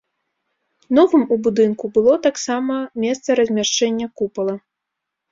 Новым у будынку было таксама месца размяшчэнне купала.